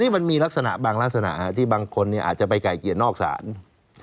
มันมีลักษณะบางลักษณะที่บางคนอาจจะไปไก่เกลียดนอกศาล